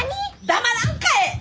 黙らんかえ！